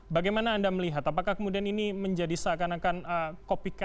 bagaimana anda melihat apakah kemudian ini menjadi seakan akan copycat kebanyakan penyembunyian